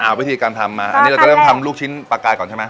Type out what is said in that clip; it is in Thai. เอาวิธีการทำมาอันนี้เราจะเริ่มทำลูกชิ้นปลากายก่อนใช่ไหม